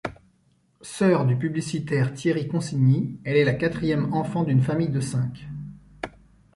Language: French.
Sœur du publicitaire Thierry Consigny, elle est la quatrième enfant d'une famille de cinq.